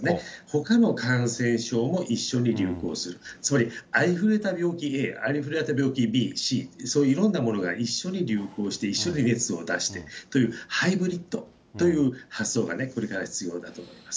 ほかの感染症も一緒に流行する、つまり、ありふれた病気Ａ、ありふれた病気Ｂ、Ｃ、いろんなものが一緒に流行して、熱を出して、ハイブリッドっていう発想がこれから必要だと思いま